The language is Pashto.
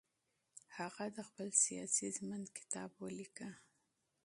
هغه د خپل سیاسي ژوند کتاب ولیکه.